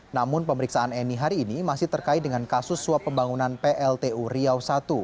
namun pemeriksaan eni hari ini masih terkait dengan kasus suap pembangunan pltu riau i